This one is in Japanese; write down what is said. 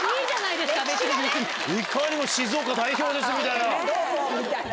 いかにも静岡代表ですみたいな。